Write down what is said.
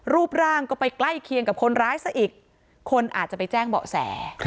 รูปร่างก็ไปใกล้เคียงกับคนร้ายซะอีกคนอาจจะไปแจ้งเบาะแส